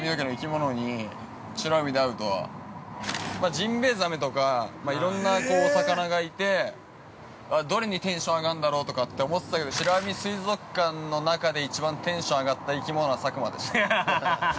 ジンベイザメとかいろんな魚がいて、どれにテンション上がるんだろうとか思ってたけど、美ら海水族館の中で一番テンションが上がった生き物は佐久間でした。